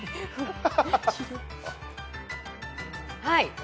はい。